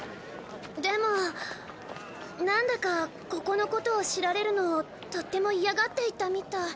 でもなんだかここのことを知られるのをとっても嫌がっていたみたい。